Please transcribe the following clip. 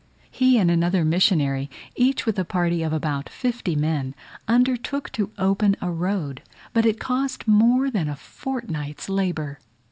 He and another missionary, each with a party of about fifty men, undertook to open a road, but it cost more than a fortnight's labour!